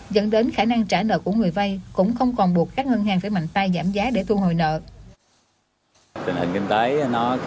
dẫn đến khả năng trả nợ của người vay cũng không còn buộc các ngân hàng phải mạnh tay giảm giá để thu hồi nợ